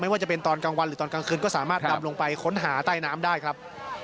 ว่าจะเป็นตอนกลางวันหรือตอนกลางคืนก็สามารถดำลงไปค้นหาใต้น้ำได้ครับ